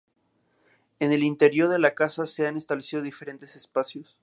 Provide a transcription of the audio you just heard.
En el interior de la casa se han establecido diferentes espacios.